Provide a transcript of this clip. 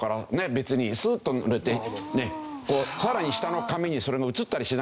別にスーッと塗れてさらに下の紙にそれが写ったりしないわけでしょ。